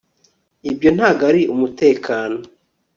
ibyo ntabwo ari umutekano